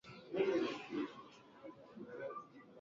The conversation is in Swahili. Sitamani ya wengine wala sijilinganishi.